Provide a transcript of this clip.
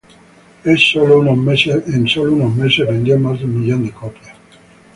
En sólo unos meses vendió más de un millón de copias.